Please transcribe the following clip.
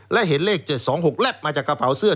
และเห็นเลข๗๒๖แลบมาจากกระเป๋าเสื้อ